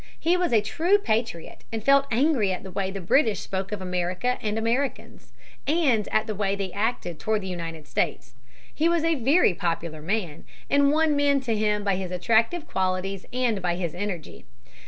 He was a true patriot and felt angry at the way the British spoke of America and Americans, and at the way they acted toward the United States. He was a very popular man and won men to him by his attractive qualities and by his energy.